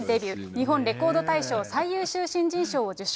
日本レコード大賞最優秀新人賞を受賞。